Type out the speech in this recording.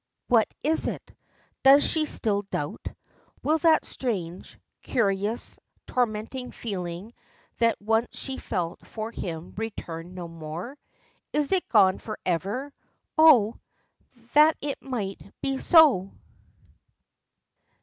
What is it? Does she still doubt? Will that strange, curious, tormenting feeling that once she felt for him return no more. Is it gone forever? Oh! that it might be so!